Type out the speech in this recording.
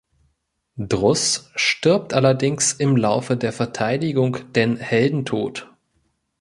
Druss stirbt allerdings im Laufe der Verteidigung den Heldentod.